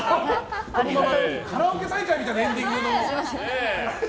カラオケ大会みたいなエンディングの。